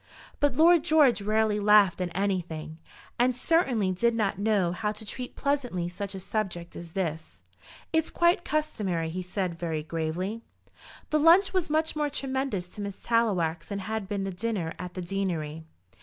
But Lord George rarely laughed at anything, and certainly did not know how to treat pleasantly such a subject as this. "It's quite customary," he said very gravely. The lunch was much more tremendous to Miss Tallowax than had been the dinner at the deanery.